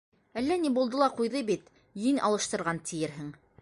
Әллә ни булды ла ҡуйҙы бит, ен алыштырған тиерһең...